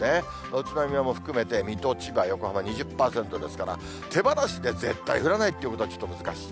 宇都宮も含めて水戸、千葉、横浜、２０％ですから、手放しで絶対降らないということはちょっと難しい。